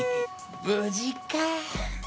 無事か？